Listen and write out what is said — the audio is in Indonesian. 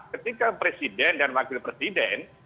ketika presiden dan wakil presiden